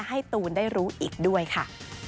ให้ตูนได้รู้อีกด้วยค่ะ